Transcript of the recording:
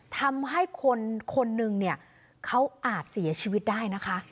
ทำให้คนนึงเนี่ยเขาอาจเสียชีวิตได้นะคะ